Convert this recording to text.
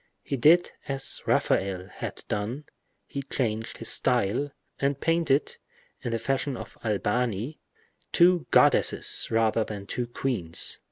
He did as Raphael had done—he changed his style, and painted, in the fashion of Albani, two goddesses rather than two queens.